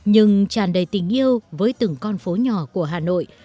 nhưng tràn đầy tình yêu với từng con phố nhỏ của hà nội